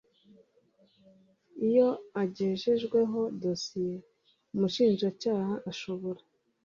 Iyo agejejweho dosiye Umushinjacyaha ashobora